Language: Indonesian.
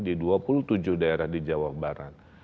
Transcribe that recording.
di dua puluh tujuh daerah di jawa barat